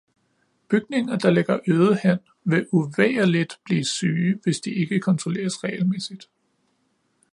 Bygninger, der ligger øde hen, vil uvægerligt blive syge, hvis de ikke kontrolleres regelmæssigt.